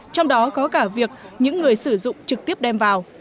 trong đó có cả việc những người sử dụng trực tiếp đem vào